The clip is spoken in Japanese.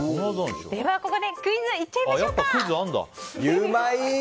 ここでクイズいっちゃいましょうか。